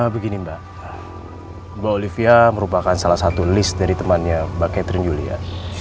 begini mbak olivia merupakan salah satu list dari temannya mbak catherine julia